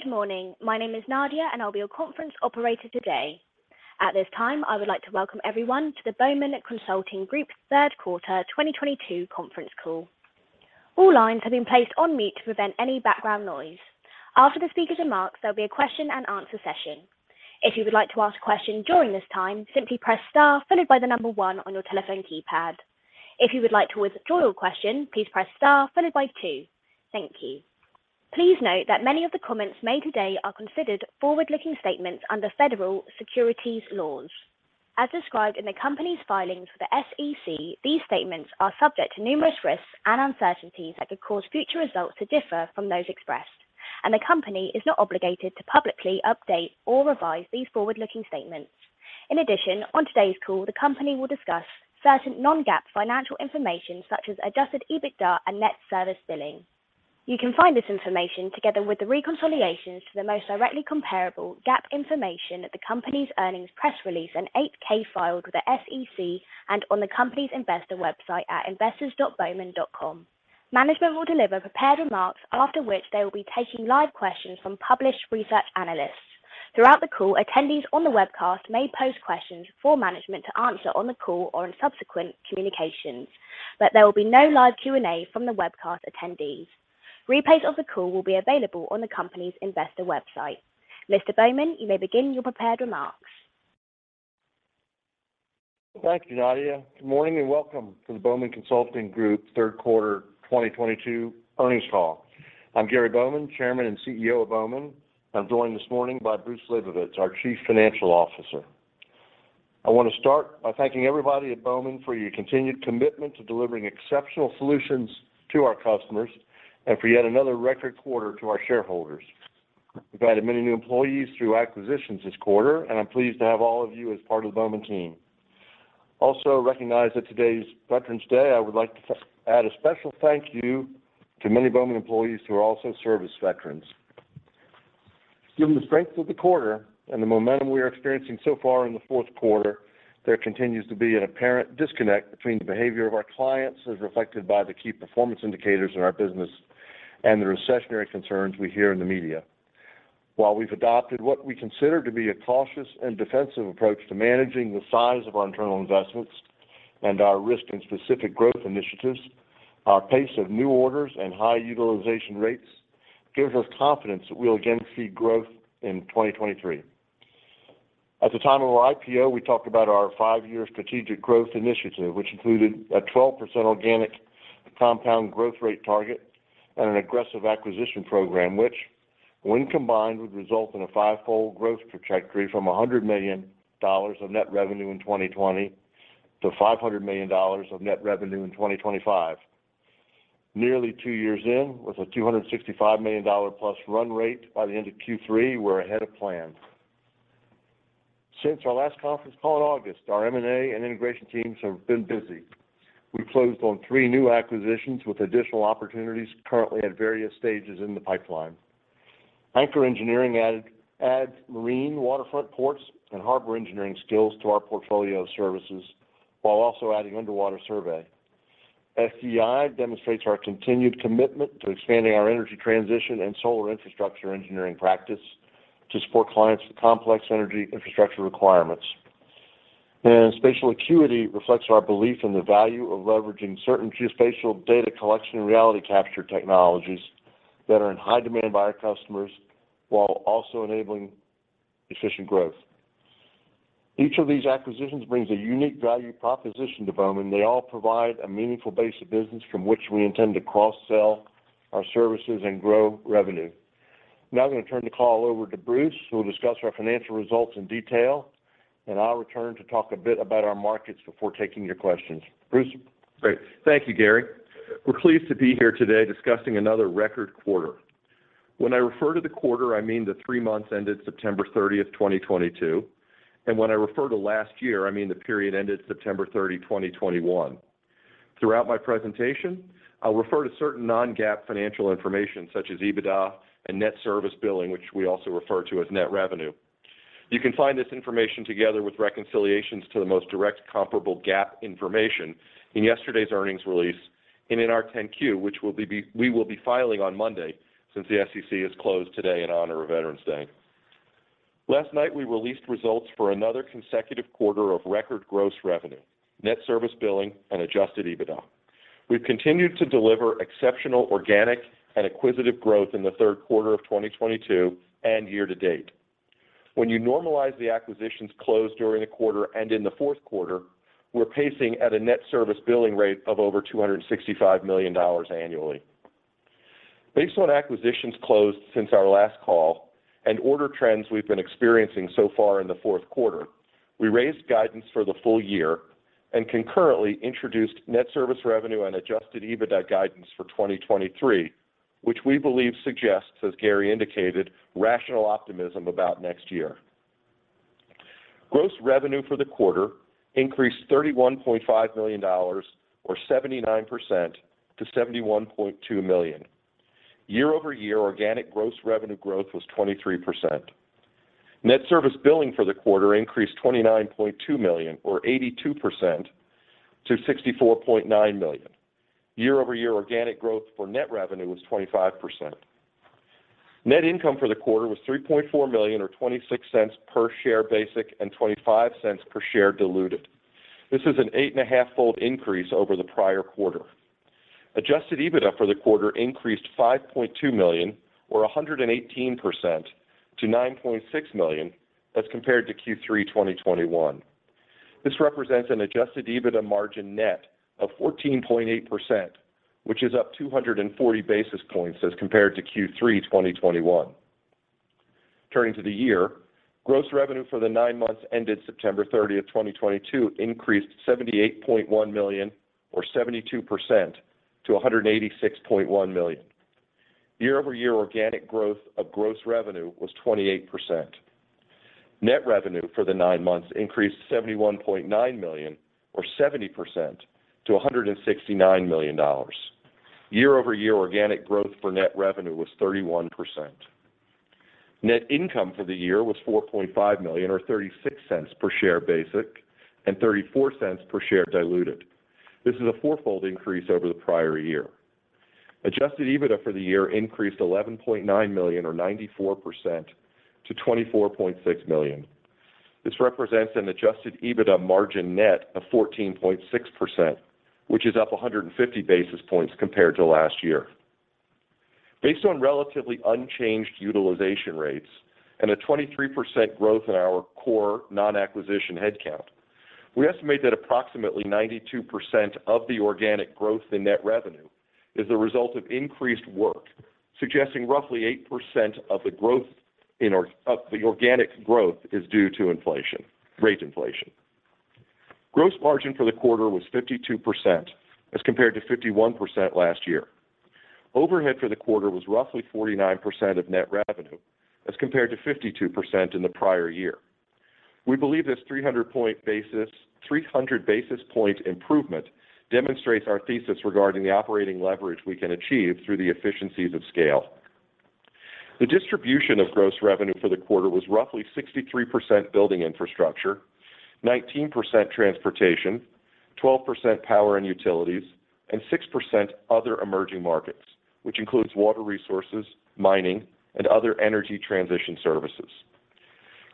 Good morning. My name is Nadia, and I'll be your conference operator today. At this time, I would like to welcome everyone to the Bowman Consulting Group Third Quarter 2022 Conference Call. All lines have been placed on mute to prevent any background noise. After the speakers remarks, there'll be a question and answer session. If you would like to ask a question during this time, simply press star followed by the number one on your telephone keypad. If you would like to withdraw your question, please press Star followed by two. Thank you. Please note that many of the comments made today are considered forward-looking statements under federal securities laws. As described in the company's filings with the SEC, these statements are subject to numerous risks and uncertainties that could cause future results to differ from those expressed. The company is not obligated to publicly update or revise these forward-looking statements. In addition, on today's call, the company will discuss certain non-GAAP financial information such as adjusted EBITDA and net service billing. You can find this information together with the reconciliations to the most directly comparable GAAP information at the company's earnings press release and 8-K filed with the SEC and on the company's investor website at investors.bowman.com. Management will deliver prepared remarks after which they will be taking live questions from published research analysts. Throughout the call, attendees on the webcast may pose questions for management to answer on the call or in subsequent communications, but there will be no live Q&A from the webcast attendees. Replays of the call will be available on the company's investor website. Mr. Bowman, you may begin your prepared remarks. Thank you, Nadia. Good morning and welcome to the Bowman Consulting Group Third Quarter 2022 Earnings Call. I'm Gary Bowman, Chairman and CEO of Bowman. I'm joined this morning by Bruce Labovitz, our Chief Financial Officer. I wanna start by thanking everybody at Bowman for your continued commitment to delivering exceptional solutions to our customers and for yet another record quarter to our shareholders. We've added many new employees through acquisitions this quarter, and I'm pleased to have all of you as part of the Bowman team. Also, recognize that today is Veterans Day. I would like to add a special thank you to many Bowman employees who also serve as veterans. Given the strength of the quarter and the momentum we are experiencing so far in the fourth quarter, there continues to be an apparent disconnect between the behavior of our clients as reflected by the key performance indicators in our business and the recessionary concerns we hear in the media. While we've adopted what we consider to be a cautious and defensive approach to managing the size of our internal investments and our risk in specific growth initiatives, our pace of new orders and high utilization rates gives us confidence that we'll again see growth in 2023. At the time of our IPO, we talked about our five-year strategic growth initiative, which included a 12% organic compound growth rate target and an aggressive acquisition program which when combined would result in a five-fold growth trajectory from $100 million of net revenue in 2020 to $500 million of net revenue in 2025. Nearly two years in, with a $265 million+ run rate by the end of Q3, we're ahead of plan. Since our last conference call in August, our M&A and integration teams have been busy. We closed on 3 new acquisitions with additional opportunities currently at various stages in the pipeline. Anchor Engineering adds marine waterfront ports and harbor engineering skills to our portfolio of services while also adding underwater survey. SEI demonstrates our continued commitment to expanding our energy transition and solar infrastructure engineering practice to support clients with complex energy infrastructure requirements. Spatial Acuity reflects our belief in the value of leveraging certain geospatial data collection and reality capture technologies that are in high demand by our customers while also enabling efficient growth. Each of these acquisitions brings a unique value proposition to Bowman. They all provide a meaningful base of business from which we intend to cross-sell our services and grow revenue. Now I'm gonna turn the call over to Bruce, who will discuss our financial results in detail, and I'll return to talk a bit about our markets before taking your questions. Bruce? Great. Thank you, Gary. We're pleased to be here today discussing another record quarter. When I refer to the quarter, I mean the three months ended September 30th, 2022. When I refer to last year, I mean the period ended September 30, 2021. Throughout my presentation, I'll refer to certain non-GAAP financial information such as EBITDA and net service billing, which we also refer to as net revenue. You can find this information together with reconciliations to the most direct comparable GAAP information in yesterday's earnings release and in our 10-Q, which we will be filing on Monday since the SEC is closed today in honor of Veterans Day. Last night, we released results for another consecutive quarter of record gross revenue, net service billing, and adjusted EBITDA. We've continued to deliver exceptional organic and acquisitive growth in the third quarter of 2022 and year to date. When you normalize the acquisitions closed during the quarter and in the fourth quarter, we're pacing at a net service billing rate of over $265 million annually. Based on acquisitions closed since our last call and order trends we've been experiencing so far in the fourth quarter, we raised guidance for the full year and concurrently introduced net service revenue and adjusted EBITDA guidance for 2023, which we believe suggests, as Gary indicated, rational optimism about next year. Gross revenue for the quarter increased $31.5 million or 79% to $71.2 million. Year-over-year, organic gross revenue growth was 23%. Net service billing for the quarter increased $29.2 million or 82% to $64.9 million. Year-over-year organic growth for net revenue was 25%. Net income for the quarter was $3.4 million or $0.26 per share basic and $0.25 per share diluted. This is an 8.5-fold increase over the prior quarter. Adjusted EBITDA for the quarter increased $5.2 million or 118% to $9.6 million as compared to Q3 2021. This represents an adjusted EBITDA margin net of 14.8%, which is up 240 basis points as compared to Q3 2021. Turning to the year, gross revenue for the nine months ended September 30th, 2022 increased $78.1 million or 72% to $186.1 million. Year-over-year organic growth of gross revenue was 28%. Net revenue for the nine months increased $71.9 million or 70% to $169 million. Year-over-year organic growth for net revenue was 31%. Net income for the year was $4.5 million or $0.36 per share basic and $0.34 per share diluted. This is a four-fold increase over the prior year. Adjusted EBITDA for the year increased $11.9 million or 94% to $24.6 million. This represents an adjusted EBITDA margin net of 14.6%, which is up 150 basis points compared to last year. Based on relatively unchanged utilization rates and a 23% growth in our core non-acquisition headcount, we estimate that approximately 92% of the organic growth in net revenue is the result of increased work, suggesting roughly 8% of the organic growth is due to rate inflation. Gross margin for the quarter was 52% as compared to 51% last year. Overhead for the quarter was roughly 49% of net revenue as compared to 52% in the prior year. We believe this 300 basis point improvement demonstrates our thesis regarding the operating leverage we can achieve through the efficiencies of scale. The distribution of gross revenue for the quarter was roughly 63% Building Infrastructure, 19% Transportation, 12% Power & Utilities, and 6% Other Emerging Markets, which includes water resources, mining, and other energy transition services.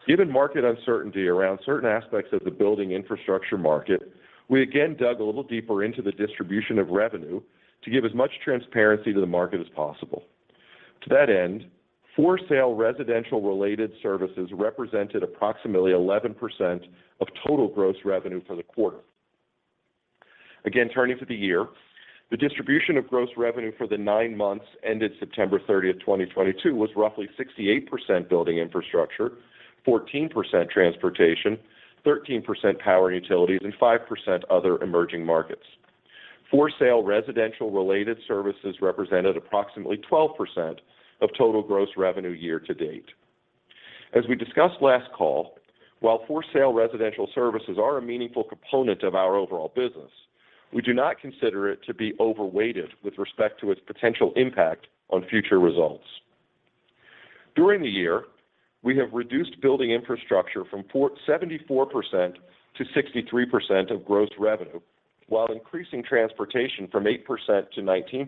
Given market uncertainty around certain aspects of the Building Infrastructure market, we again dug a little deeper into the distribution of revenue to give as much transparency to the market as possible. To that end, for sale residential related services represented approximately 11% of total gross revenue for the quarter. Again, turning to the year, the distribution of gross revenue for the nine months ended September 30th, 2022 was roughly 68% Building Infrastructure, 14% Transportation, 13% Power & Utilities, and 5% Other Emerging Markets. For sale residential related services represented approximately 12% of total gross revenue year to date. As we discussed last call, while for sale residential services are a meaningful component of our overall business, we do not consider it to be overweighted with respect to its potential impact on future results. During the year, we have reduced Building Infrastructure from 74% to 63% of gross revenue while increasing Transportation from 8% to 19%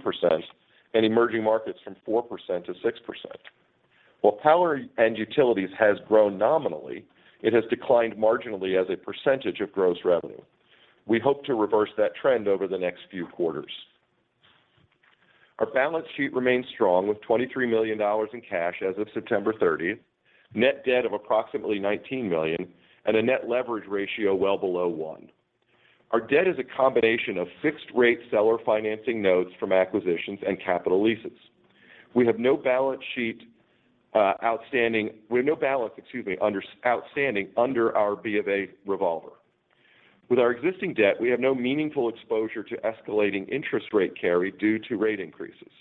and Emerging Markets from 4% to 6%. While Power & Utilities has grown nominally, it has declined marginally as a percentage of gross revenue. We hope to reverse that trend over the next few quarters. Our balance sheet remains strong with $23 million in cash as of September 30, net debt of approximately $19 million, and a net leverage ratio well below one. Our debt is a combination of fixed rate seller financing notes from acquisitions and capital leases. We have no balance sheet outstanding. We have no balance outstanding under our BofA revolver. With our existing debt, we have no meaningful exposure to escalating interest rate carry due to rate increases.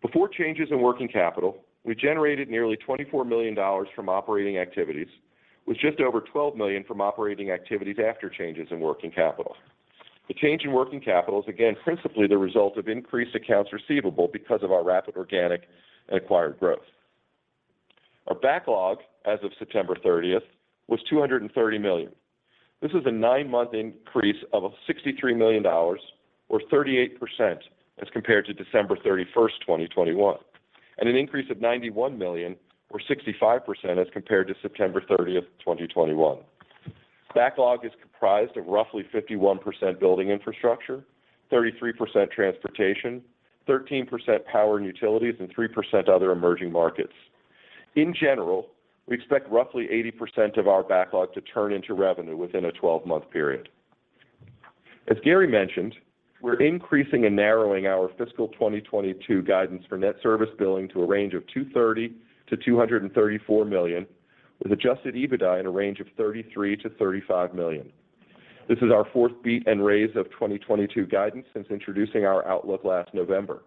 Before changes in working capital, we generated nearly $24 million from operating activities, with just over $12 million from operating activities after changes in working capital. The change in working capital is again principally the result of increased accounts receivable because of our rapid organic and acquired growth. Our backlog as of September 30th was $230 million. This is a nine-month increase of $63 million or 38% as compared to December 31st, 2021, and an increase of $91 million or 65% as compared to September 30th, 2021. Backlog is comprised of roughly 51% Building Infrastructure, 33% Transportation, 13% Power & Utilities, and 3% Other Emerging Markets. In general, we expect roughly 80% of our backlog to turn into revenue within a 12-month period. As Gary mentioned, we're increasing and narrowing our fiscal 2022 guidance for net service billing to a range of $230 million-$234 million, with adjusted EBITDA in a range of $33 million-$35 million. This is our fourth beat and raise of 2022 guidance since introducing our outlook last November.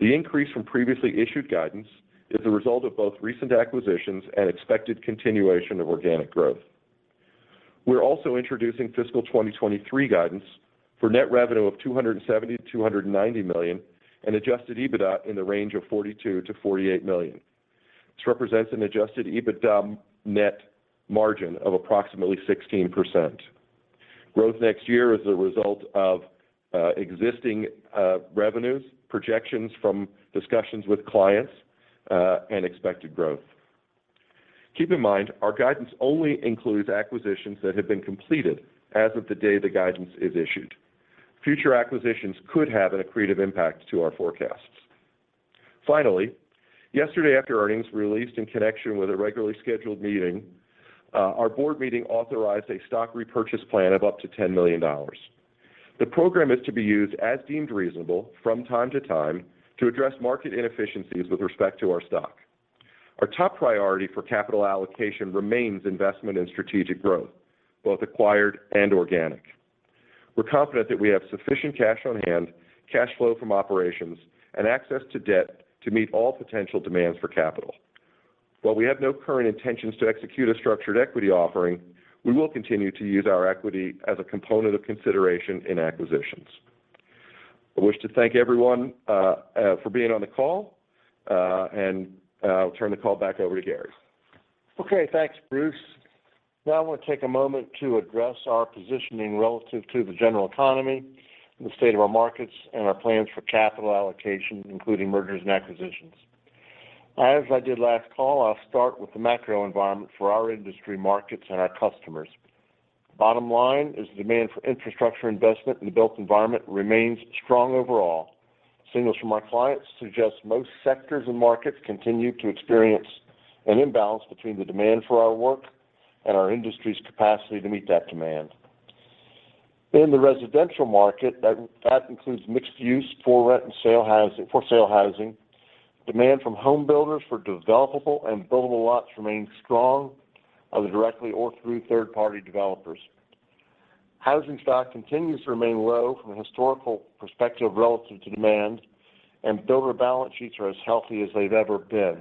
The increase from previously issued guidance is the result of both recent acquisitions and expected continuation of organic growth. We're also introducing fiscal 2023 guidance for net revenue of $270 million-$290 million and adjusted EBITDA in the range of $42 million-$48 million. This represents an adjusted EBITDA net margin of approximately 16%. Growth next year is a result of existing revenues projections from discussions with clients and expected growth. Keep in mind, our guidance only includes acquisitions that have been completed as of the day the guidance is issued. Future acquisitions could have an accretive impact to our forecasts. Finally, yesterday after earnings released in connection with a regularly scheduled meeting our board meeting authorized a stock repurchase plan of up to $10 million. The program is to be used as deemed reasonable from time to time to address market inefficiencies with respect to our stock. Our top priority for capital allocation remains investment in strategic growth, both acquired and organic. We're confident that we have sufficient cash on hand, cash flow from operations, and access to debt to meet all potential demands for capital. While we have no current intentions to execute a structured equity offering, we will continue to use our equity as a component of consideration in acquisitions. I wish to thank everyone for being on the call, and I'll turn the call back over to Gary. Okay. Thanks, Bruce. Now I want to take a moment to address our positioning relative to the general economy, the state of our markets, and our plans for capital allocation, including mergers and acquisitions. As I did last call, I'll start with the macro environment for our industry markets and our customers. Bottom line is demand for infrastructure investment in the built environment remains strong overall. Signals from our clients suggest most sectors and markets continue to experience an imbalance between the demand for our work and our industry's capacity to meet that demand. In the residential market, that includes mixed use for sale housing. Demand from home builders for developable and buildable lots remain strong, either directly or through third-party developers. Housing stock continues to remain low from a historical perspective relative to demand, and builder balance sheets are as healthy as they've ever been.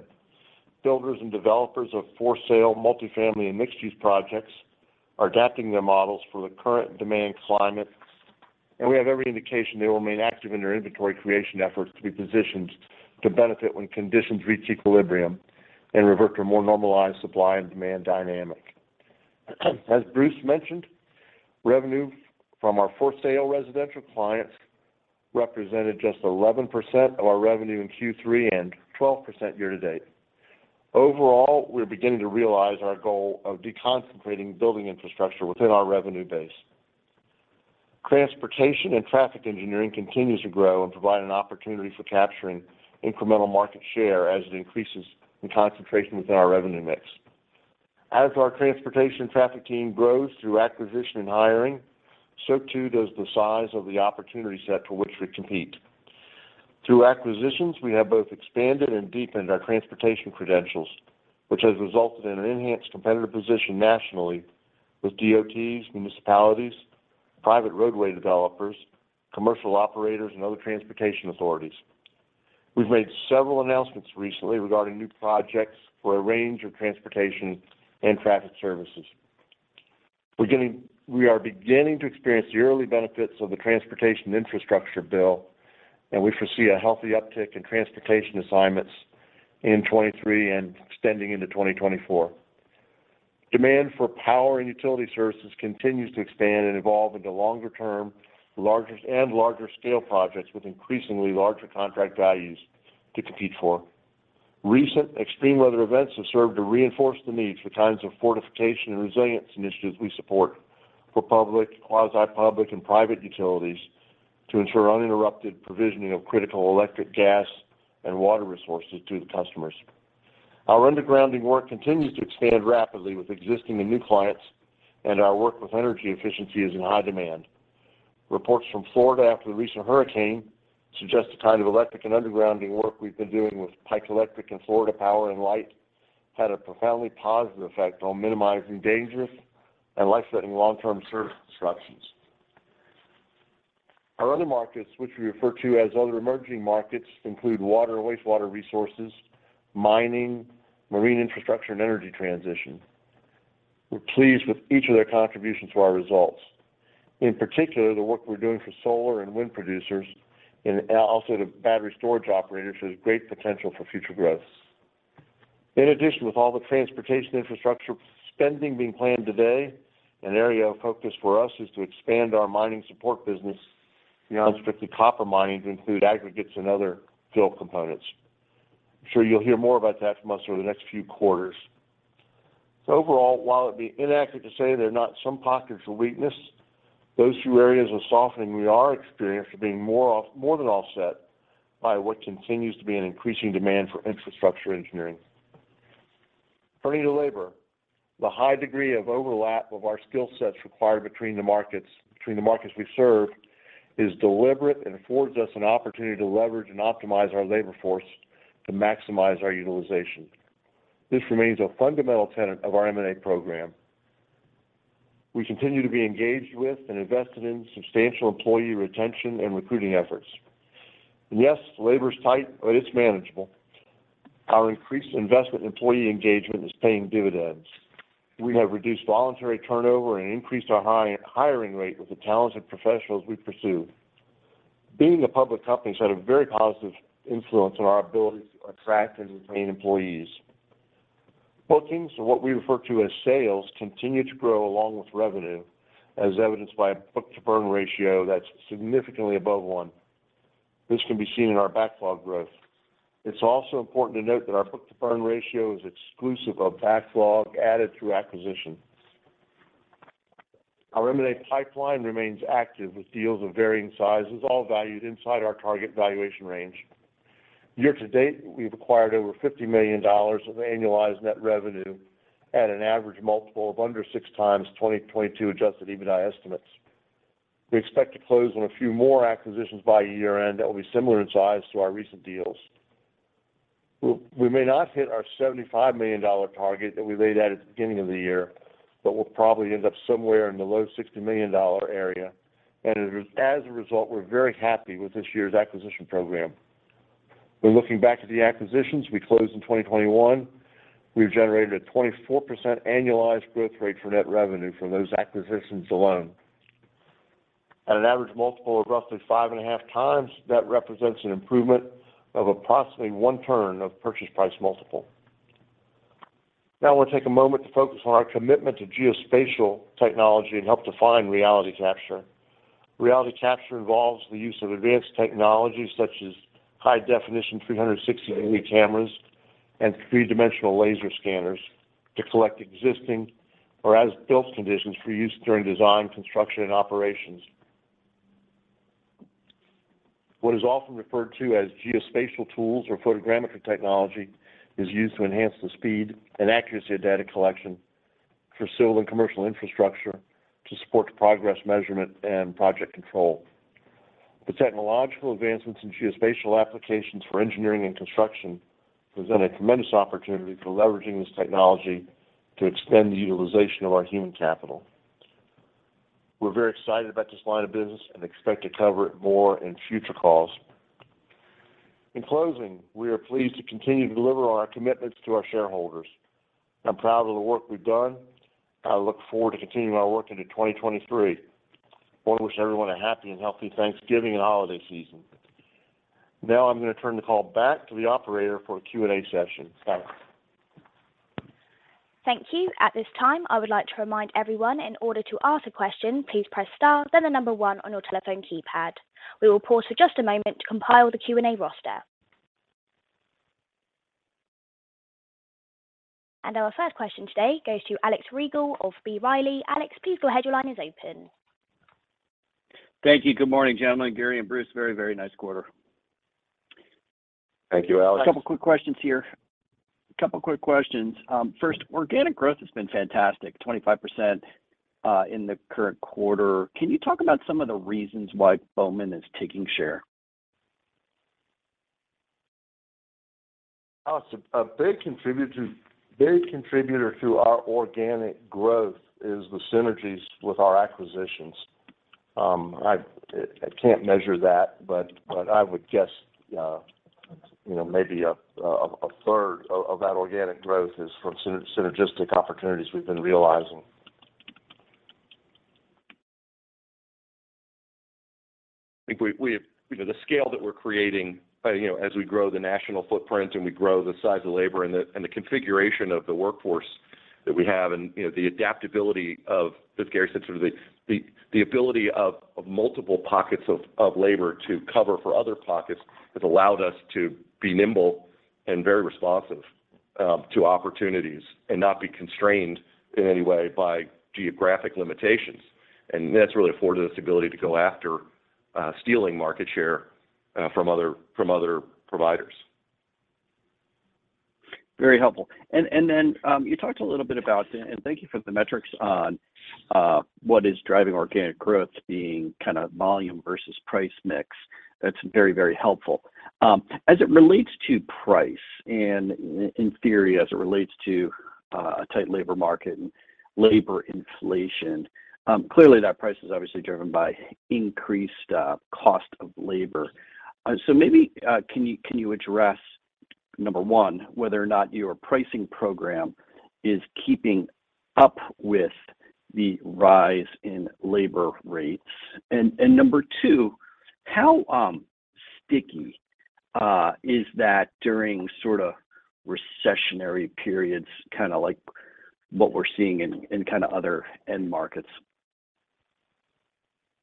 Builders and developers of for-sale, multi-family, and mixed-use projects are adapting their models for the current demand climate, and we have every indication they will remain active in their inventory creation efforts to be positioned to benefit when conditions reach equilibrium and revert to a more normalized supply and demand dynamic. As Bruce mentioned, revenue from our for-sale residential clients represented just 11% of our revenue in Q3 and 12% year-to-date. Overall, we're beginning to realize our goal of deconcentrating Building Infrastructure within our revenue base. Transportation and traffic engineering continues to grow and provide an opportunity for capturing incremental market share as it increases in concentration within our revenue mix. As our transportation traffic team grows through acquisition and hiring, so too does the size of the opportunity set for which we compete. Through acquisitions, we have both expanded and deepened our Transportation credentials, which has resulted in an enhanced competitive position nationally with DOTs, municipalities, private roadway developers, commercial operators, and other transportation authorities. We've made several announcements recently regarding new projects for a range of transportation and traffic services. We are beginning to experience the early benefits of the Transportation Infrastructure Bill, and we foresee a healthy uptick in transportation assignments in 2023 and extending into 2024. Demand for power and utility services continues to expand and evolve into longer-term, and larger scale projects with increasingly larger contract values to compete for. Recent extreme weather events have served to reinforce the need for kinds of fortification and resilience initiatives we support for public, quasi-public, and private utilities to ensure uninterrupted provisioning of critical electric, gas, and water resources to the customers. Our undergrounding work continues to expand rapidly with existing and new clients, and our work with energy efficiency is in high demand. Reports from Florida after the recent hurricane suggest the kind of electric and undergrounding work we've been doing with Pike Electric and Florida Power & Light had a profoundly positive effect on minimizing dangerous and life-threatening long-term service disruptions. Our other markets, which we refer to as other emerging markets, include water and wastewater resources, mining, marine infrastructure, and energy transition. We're pleased with each of their contributions to our results. In particular, the work we're doing for solar and wind producers and also the battery storage operators has great potential for future growth. In addition, with all the transportation infrastructure spending being planned today, an area of focus for us is to expand our mining support business beyond strictly copper mining to include aggregates and other fill components. I'm sure you'll hear more about that from us over the next few quarters. Overall, while it'd be inaccurate to say there are not some pockets of weakness, those few areas of softening we are experiencing are being more than offset by what continues to be an increasing demand for infrastructure engineering. Turning to labor, the high degree of overlap of our skill sets required between the markets, between the markets we serve is deliberate and affords us an opportunity to leverage and optimize our labor force to maximize our utilization. This remains a fundamental tenet of our M&A program. We continue to be engaged with and invested in substantial employee retention and recruiting efforts. Yes, labor is tight, but it's manageable. Our increased investment in employee engagement is paying dividends. We have reduced voluntary turnover and increased our hiring rate with the talented professionals we pursue. Being a public company has had a very positive influence on our ability to attract and retain employees. Bookings or what we refer to as sales continue to grow along with revenue as evidenced by a book-to-burn ratio that's significantly above one. This can be seen in our backlog growth. It's also important to note that our book-to-burn ratio is exclusive of backlog added through acquisitions. Our M&A pipeline remains active with deals of varying sizes, all valued inside our target valuation range. Year to date, we've acquired over $50 million of annualized net revenue at an average multiple of under six times 2022 adjusted EBITDA estimates. We expect to close on a few more acquisitions by year-end that will be similar in size to our recent deals. We may not hit our $75 million target that we laid out at the beginning of the year, but we'll probably end up somewhere in the low $60 million area. As a result, we're very happy with this year's acquisition program. When looking back at the acquisitions we closed in 2021, we've generated a 24% annualized growth rate for net revenue from those acquisitions alone. At an average multiple of roughly 5.5x, that represents an improvement of approximately one turn of purchase price multiple. Now I wanna take a moment to focus on our commitment to geospatial technology and help define reality capture. Reality capture involves the use of advanced technology such as high definition 360-degree cameras and 3D laser scanners to collect existing or as-built conditions for use during design, construction, and operations. What is often referred to as geospatial tools or photogrammetry technology is used to enhance the speed and accuracy of data collection for civil and commercial infrastructure to support progress measurement and project control. The technological advancements in geospatial applications for engineering and construction present a tremendous opportunity for leveraging this technology to extend the utilization of our human capital. We're very excited about this line of business and expect to cover it more in future calls. In closing, we are pleased to continue to deliver on our commitments to our shareholders. I'm proud of the work we've done. I look forward to continuing our work into 2023. I wanna wish everyone a happy and healthy Thanksgiving and holiday season. Now I'm gonna turn the call back to the operator for a Q&A session. Thanks. Thank you. At this time, I would like to remind everyone in order to ask a question, please press star then the number one on your telephone keypad. We will pause for just a moment to compile the Q&A roster. Our first question today goes to Alex Rygiel of B. Riley. Alex, please go ahead. Your line is open. Thank you. Good morning, gentlemen, Gary and Bruce. Very, very nice quarter. Thank you, Alex. A couple of quick questions here. First, organic growth has been fantastic, 25%, in the current quarter. Can you talk about some of the reasons why Bowman is taking share? Oh, it's a big contributor to our organic growth is the synergies with our acquisitions. I can't measure that, but I would guess, you know, maybe a third of that organic growth is from synergistic opportunities we've been realizing. I think we. You know, the scale that we're creating, you know, as we grow the national footprint and we grow the size of labor and the configuration of the workforce that we have and, you know, the adaptability of, as Gary said, sort of the ability of multiple pockets of labor to cover for other pockets has allowed us to be nimble and very responsive to opportunities and not be constrained in any way by geographic limitations. That's really afforded us the ability to go after stealing market share from other providers. Very helpful. You talked a little bit about. Thank you for the metrics on what is driving organic growth being kinda volume versus price mix. That's very, very helpful. As it relates to price and in theory as it relates to a tight labor market and labor inflation, clearly that price is obviously driven by increased cost of labor. Maybe can you address, number one, whether or not your pricing program is keeping up with the rise in labor rates? Number two, how sticky is that during sorta recessionary periods, kinda like what we're seeing in kinda other end markets?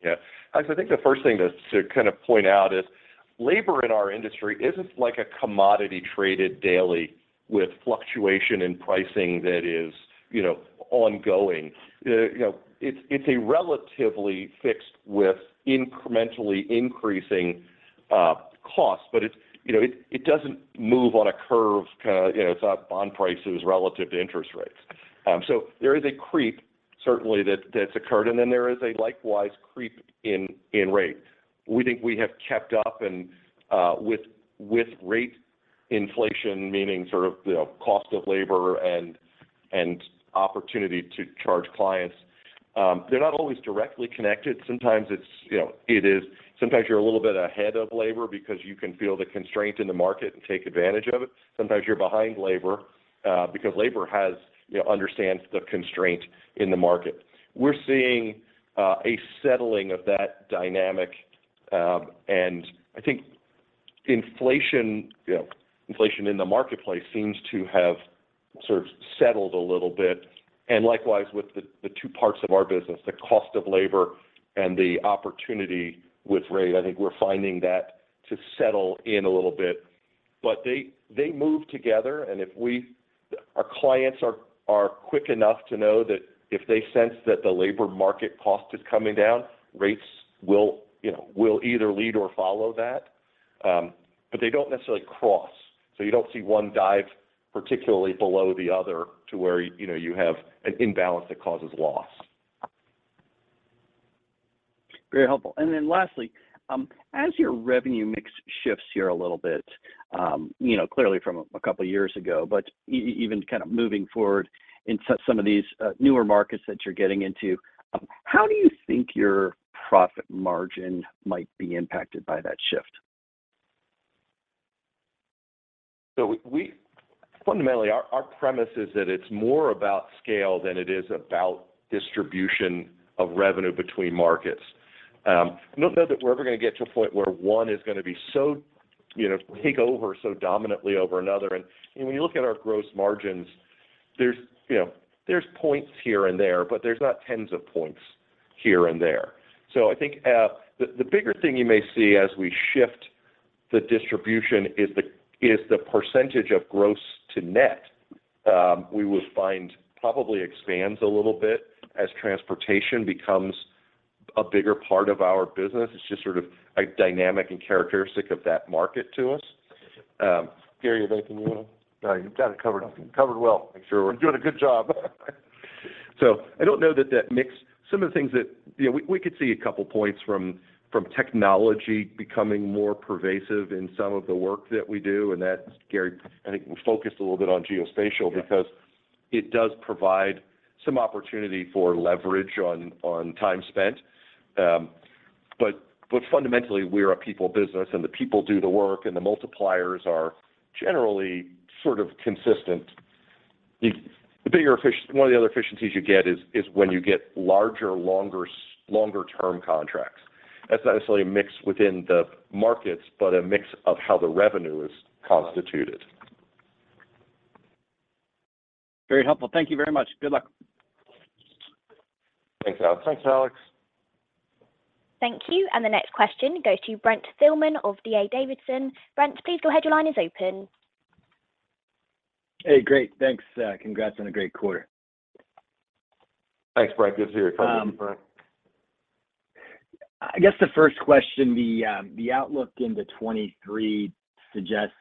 Yeah. Alex, I think the first thing to kind of point out is labor in our industry isn't like a commodity traded daily with fluctuation in pricing that is, you know, ongoing. You know, it's a relatively fixed with incrementally increasing costs, but it doesn't move on a curve kinda, you know, it's not bond prices relative to interest rates. So there is a creep certainly that's occurred, and then there is a likewise creep in rate. We think we have kept up and with rates. Inflation meaning sort of, you know, cost of labor and opportunity to charge clients. They're not always directly connected. Sometimes it's, you know, it is, sometimes you're a little bit ahead of labor because you can feel the constraint in the market and take advantage of it. Sometimes you're behind labor because labor has, you know, understands the constraint in the market. We're seeing a settling of that dynamic. I think inflation in the marketplace seems to have sort of settled a little bit, and likewise with the two parts of our business, the cost of labor and the opportunity with rate, I think we're finding that to settle in a little bit. They move together and our clients are quick enough to know that if they sense that the labor market cost is coming down, rates will either lead or follow that. They don't necessarily cross. You don't see one dive, particularly below the other to where, you know, you have an imbalance that causes loss. Very helpful. Lastly, as your revenue mix shifts here a little bit, you know, clearly from a couple of years ago, but even kind of moving forward in some of these newer markets that you're getting into, how do you think your profit margin might be impacted by that shift? Fundamentally, our premise is that it's more about scale than it is about distribution of revenue between markets. I don't know that we're ever gonna get to a point where one is gonna be so, you know, take over so dominantly over another. You know, when you look at our gross margins, there's points here and there, but there's not tens of points here and there. I think the bigger thing you may see as we shift the distribution is the percentage of gross to net, we will find probably expands a little bit as transportation becomes a bigger part of our business. It's just sort of a dynamic and characteristic of that market to us. Gary, is there anything you wanna? No, you've got it covered well. Make sure we're doing a good job. I don't know that that mix. Some of the things that, you know, we could see a couple points from technology becoming more pervasive in some of the work that we do, and that, Gary, I think we focused a little bit on geospatial because it does provide some opportunity for leverage on time spent. But fundamentally, we're a people business, and the people do the work, and the multipliers are generally sort of consistent. The bigger efficiency. One of the other efficiencies you get is when you get larger, longer term contracts. That's not necessarily a mix within the markets, but a mix of how the revenue is constituted. Very helpful. Thank you very much. Good luck. Thanks, Alex. Thanks, Alex. Thank you. The next question goes to Brent Thielman of D.A. Davidson. Brent, please go ahead. Your line is open. Hey, great. Thanks. Congrats on a great quarter. Thanks, Brent. This is Gary. Talk to you, Brent. I guess the first question, the outlook into 2023 suggests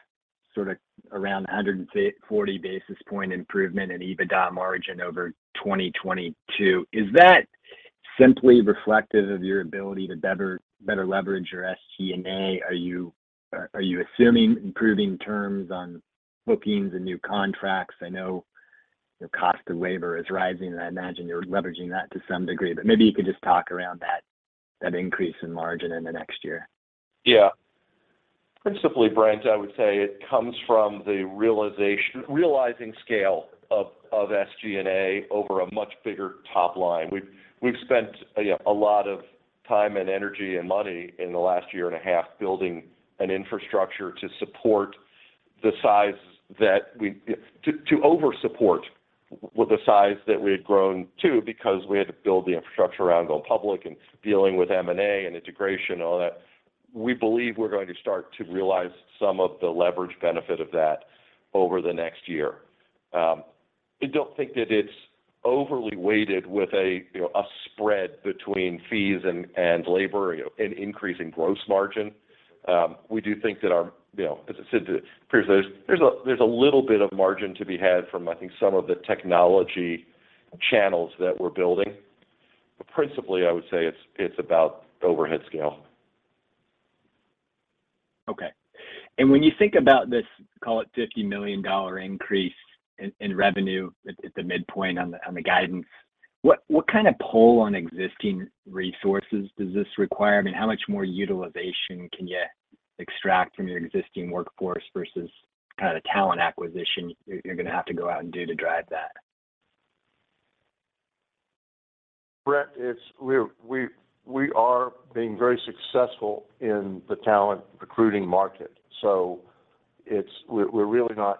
sort of around 140 basis points improvement in EBITDA margin over 2022. Is that simply reflective of your ability to better leverage your SG&A? Are you assuming improving terms on bookings and new contracts? I know your cost of labor is rising, and I imagine you're leveraging that to some degree. Maybe you could just talk around that increase in margin in the next year. Yeah. Principally, Brent, I would say it comes from realizing scale of SG&A over a much bigger top line. We've spent, you know, a lot of time and energy and money in the last year and a half building an infrastructure to over support with the size that we had grown to because we had to build the infrastructure around going public and dealing with M&A and integration and all that. We believe we're going to start to realize some of the leverage benefit of that over the next year. I don't think that it's overly weighted with, you know, a spread between fees and labor, you know, an increase in gross margin. We do think that our, you know, as I said to Pierce, there's a little bit of margin to be had from, I think, some of the technology channels that we're building. But principally, I would say it's about overhead scale. Okay. When you think about this, call it $50 million increase in revenue at the midpoint on the guidance, what kind of pull on existing resources does this require? I mean, how much more utilization can you extract from your existing workforce versus kind of talent acquisition you're gonna have to go out and do to drive that? Brent, we are being very successful in the talent recruiting market. We're really not.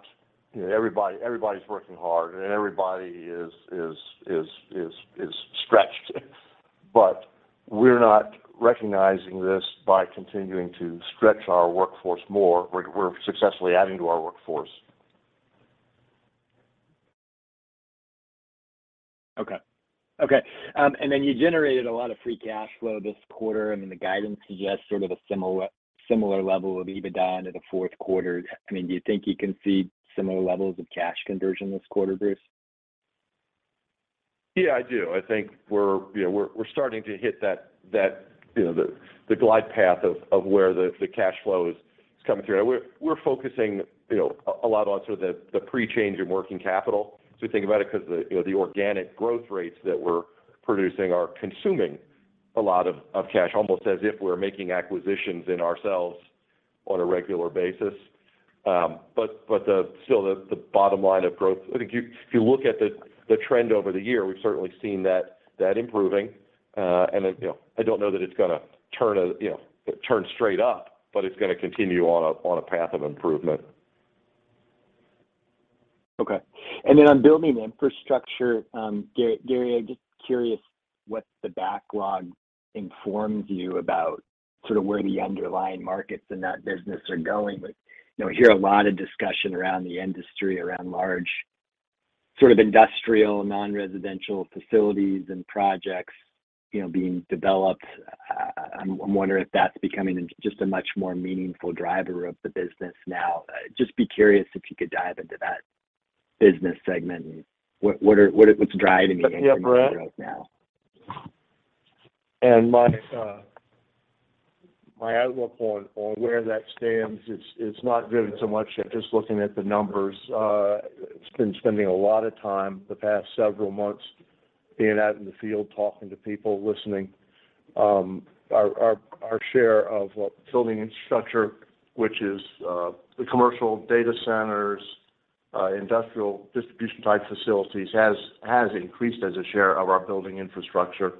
You know, everybody is working hard, and everybody is stretched. We're not recognizing this by continuing to stretch our workforce more. We're successfully adding to our workforce. Okay. You generated a lot of free cash flow this quarter. I mean, the guidance suggests sort of a similar level of EBITDA into the fourth quarter. I mean, do you think you can see similar levels of cash conversion this quarter, Bruce? Yeah, I do. I think we're, you know, we're starting to hit that, you know, the glide path of where the cash flow is coming through. We're focusing, you know, a lot onto the pre-change in working capital as we think about it, 'cause the, you know, the organic growth rates that we're producing are consuming a lot of cash, almost as if we're making acquisitions in ourselves on a regular basis. But still the bottom line of growth, I think if you look at the trend over the year, we've certainly seen that improving. You know, I don't know that it's gonna turn, you know, turn straight up, but it's gonna continue on a path of improvement. Okay. On Building Infrastructure, Gary, I'm just curious what the backlog informs you about sort of where the underlying markets in that business are going. You know, I hear a lot of discussion around the industry, around large sort of industrial non-residential facilities and projects, you know, being developed. I'm wondering if that's becoming just a much more meaningful driver of the business now. Just be curious if you could dive into that business segment and what's driving it right now? Yeah, Brent. My outlook on where that stands. It's not really so much just looking at the numbers. I've been spending a lot of time the past several months being out in the field, talking to people, listening. Our share of our Building Infrastructure, which is the commercial data centers, industrial distribution type facilities has increased as a share of our Building Infrastructure.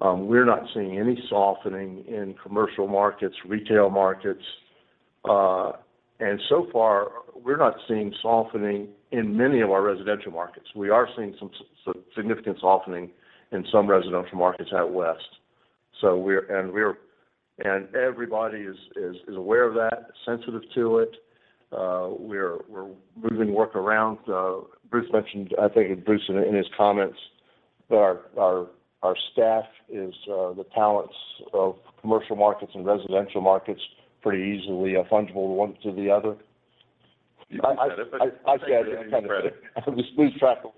We're not seeing any softening in commercial markets, retail markets. So far, we're not seeing softening in many of our residential markets. We are seeing some significant softening in some residential markets out west. Everybody is aware of that, sensitive to it. We're moving work around. Bruce mentioned, I think, Bruce in his comments that our staff is the talents of commercial markets and residential markets pretty easily are fungible one to the other. You can take that. I said it. Take that any credit.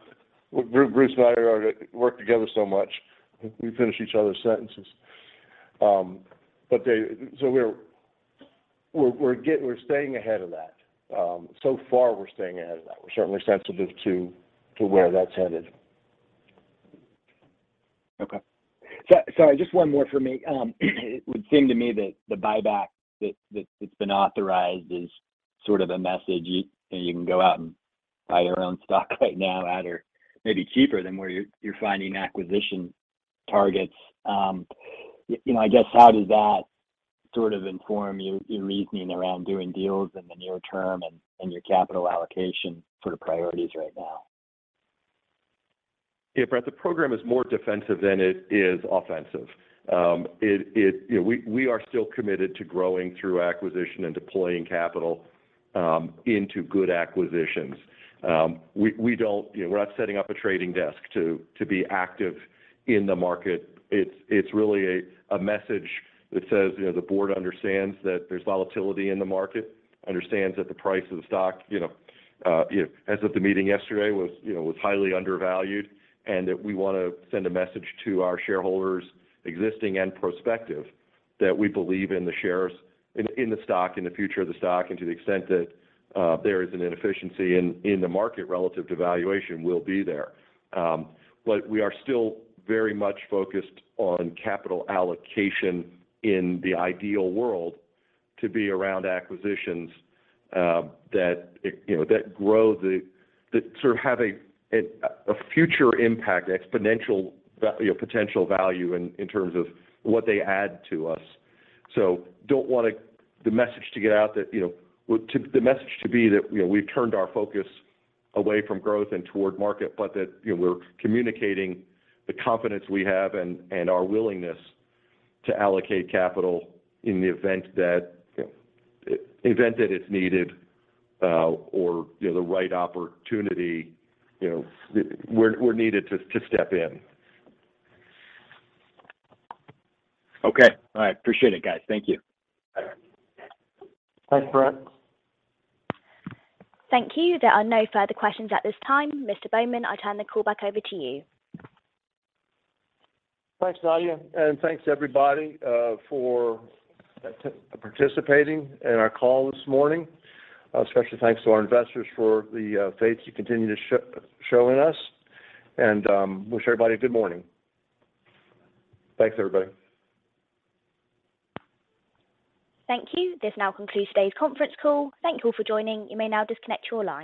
Bruce and I work together so much, we finish each other's sentences. We're staying ahead of that. So far, we're staying ahead of that. We're certainly sensitive to where that's headed. Okay. Just one more for me. It would seem to me that the buyback that's been authorized is sort of a message you know you can go out and buy your own stock right now at or maybe cheaper than where you're finding acquisition targets. You know, I guess how does that sort of inform your reasoning around doing deals in the near term and your capital allocation sort of priorities right now? Yeah, Brent, the program is more defensive than it is offensive. You know, we are still committed to growing through acquisition and deploying capital into good acquisitions. You know, we're not setting up a trading desk to be active in the market. It's really a message that says, you know, the board understands that there's volatility in the market, understands that the price of the stock, you know, as of the meeting yesterday was highly undervalued, and that we wanna send a message to our shareholders, existing and prospective, that we believe in the shares, in the stock, in the future of the stock, and to the extent that there is an inefficiency in the market relative to valuation, we'll be there. We are still very much focused on capital allocation. In the ideal world to be around acquisitions that you know that sort of have a future impact, you know, potential value in terms of what they add to us. Don't want the message to get out that you know we've turned our focus away from growth and toward market, but that you know we're communicating the confidence we have and our willingness to allocate capital in the event that you know it's needed or you know the right opportunity you know we're needed to step in. Okay. All right. Appreciate it, guys. Thank you. Thanks, Brent. Thank you. There are no further questions at this time. Mr. Bowman, I turn the call back over to you. Thanks, Nadia, and thanks everybody for participating in our call this morning. A special thanks to our investors for the faith you continue to show in us. Wish everybody a good morning. Thanks, everybody. Thank you. This now concludes today's conference call. Thank you all for joining. You may now disconnect your line.